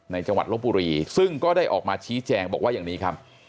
จังหวัดลบบุรีซึ่งก็ได้ออกมาชี้แจงบอกว่าอย่างนี้ครับ